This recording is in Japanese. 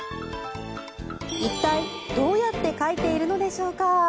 一体どうやって描いているのでしょうか。